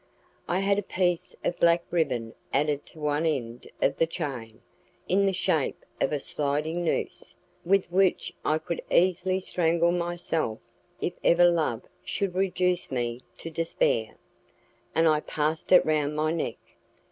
I had a piece of black ribbon added to one end of the chain, in the shape of a sliding noose, with which I could easily strangle myself if ever love should reduce me to despair, and I passed it round my neck.